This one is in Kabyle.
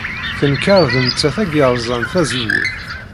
Tenkeṛ d nettat ay yerẓan tazewwut.